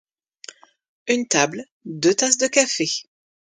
Une table, deux tasses de café.